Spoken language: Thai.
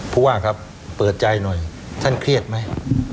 เพราะว่าครับเปิดใจหน่อยท่านเครียดไหมอืม